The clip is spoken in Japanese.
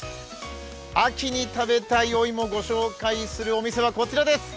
秋に食べたいお芋、ご紹介するお店はこちらです。